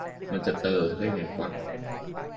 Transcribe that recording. มันจะ "เตอ" ได้ไงฟะ